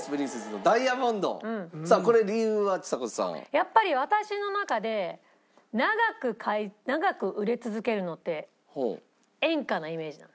やっぱり私の中で長く売れ続けるのって演歌なイメージなの。